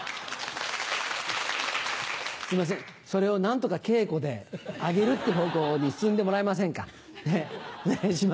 すいませんそれを何とか稽古で上げるって方向に進んでもらえませんかお願いします。